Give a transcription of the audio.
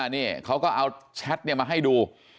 นี่เขาก็เอาแชทมาให้ดู